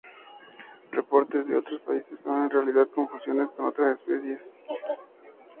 Reportes de otros país son en realidad confusiones con otras especies.